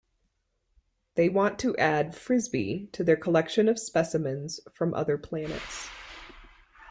They want to add Frisby to their collection of specimens from other planets.